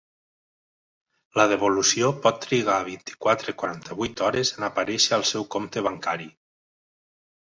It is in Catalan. La devolució pot trigar vint-i-quatre-quaranta-vuit hores en aparèixer al seu compte bancari.